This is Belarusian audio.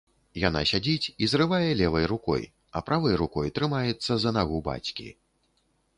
Яна сядзіць і зрывае левай рукой, а правай рукой трымаецца за нагу бацькі.